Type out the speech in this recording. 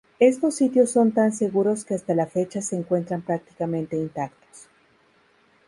Estos sitios son tan seguros que hasta la fecha se encuentran prácticamente intactos.